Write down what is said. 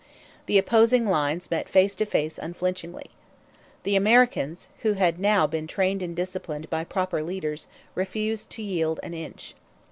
The opposing lines met face to face unflinchingly. The Americans, who had now been trained and disciplined by proper leaders, refused to yield an inch.